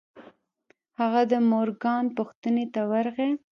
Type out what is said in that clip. هغه د مورګان پوښتنې ته ورغی.